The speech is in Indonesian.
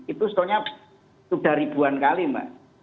itu stoknya sudah ribuan kali mbak